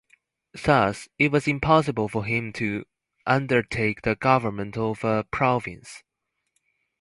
Thus, it was impossible for him to undertake the government of a province.